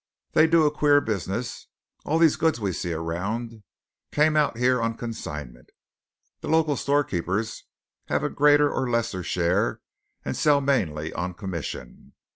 They do a queer business. All these goods we see around came out here on consignment. The local storekeepers have a greater or lesser share and sell mainly on commission.